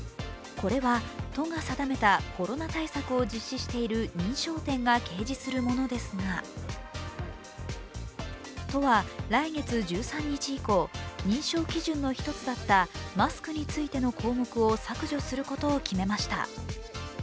これは都が定めたコロナ対策を実施している認証店が掲示するものですが都は来月１３日以降、認証基準の１つだったマスクについての項目を削除することを決めました。